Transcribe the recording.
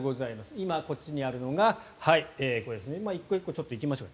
今、こっちにあるのが１個１個行きましょうか。